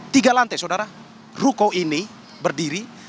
tiga lantai saudara ruko ini berdiri